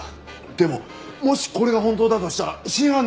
でももしこれが本当だとしたら真犯人は。